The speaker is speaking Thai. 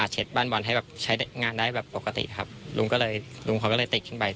เช็ดบ้านบอลให้แบบใช้งานได้แบบปกติครับลุงก็เลยลุงเขาก็เลยติดขึ้นไป